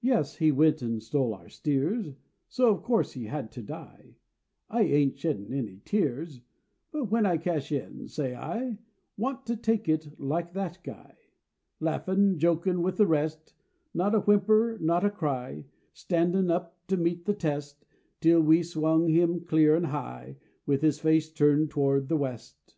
Yes, he went an' stole our steers, So, of course, he had to die; I ain't sheddin' any tears, But, when I cash in say, I Want to take it like that guy Laughin', jokin', with the rest, Not a whimper, not a cry, Standin' up to meet the test Till we swung him clear an' high, With his face turned toward the west!